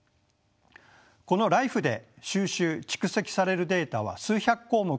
このＬＩＦＥで収集・蓄積されるデータは数百項目あります。